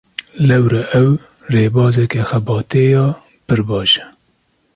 Lewre ev, rêbazeke xebatê ya pir baş e